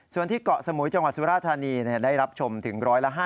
ส่วนที่เกาะสมุยจังหวัดสุราธานีได้รับชมถึง๑๕๐